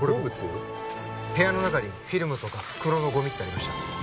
部屋の中にフィルムとか袋のゴミってありました？